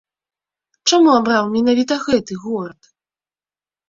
Чаму абраў менавіта гэты горад?